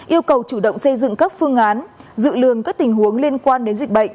yêu cầu chủ động xây dựng các phương án dự lường các tình huống liên quan đến dịch bệnh